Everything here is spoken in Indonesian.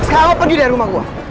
sekarang lo pergi dari rumah gue